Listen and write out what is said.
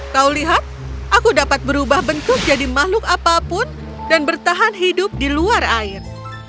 kau lihat aku dapat berubah bentuk jadi makhluk apapun dan bertahan hidup di luar air